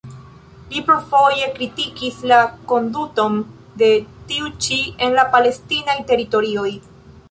Li plurfoje kritikis la konduton de tiu ĉi en la palestinaj teritorioj.